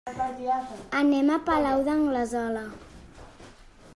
Anem al Palau d'Anglesola.